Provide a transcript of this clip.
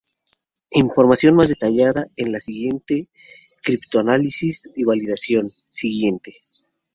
Información más detallada en la sección "Criptoanálisis y validación" siguiente.